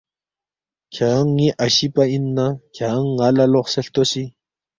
کھیانگ ن٘ی اشی پا اِن نہ کھیانگ ن٘ا لہ لوقسے ہلتوسی